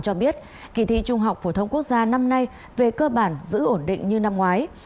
cho biết kỳ thi trung học phổ thông quốc gia năm nay về cơ bản giữ ổn định như năm ngoái